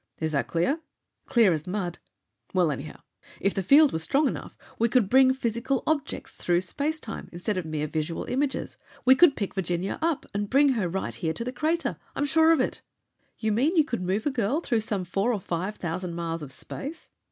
Is that clear?" "Clear as mud!" "Well, anyhow, if the field were strong enough, we could bring physical objects through space time, instead of mere visual images. We could pick Virginia up and bring her right here to the crater! I'm sure of it!" "You mean you could move a girl through some four or five thousand miles of space!"